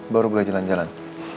baru boleh jalan jalan